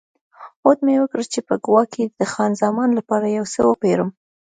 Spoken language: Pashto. هوډ مې وکړ چې په کووا کې د خان زمان لپاره یو څه وپیرم.